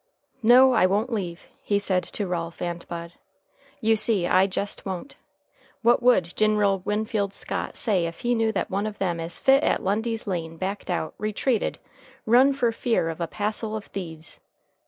"No, I won't leave," he said to Ralph and Bud. "You see I jest won't. What would Gin'ral Winfield Scott say ef he knew that one of them as fit at Lundy's Lane backed out, retreated, run fer fear of a passel of thieves?